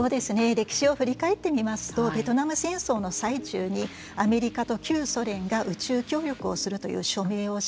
歴史を振り返ってみますとベトナム戦争の最中にアメリカと旧ソ連が宇宙協力をするという署名をし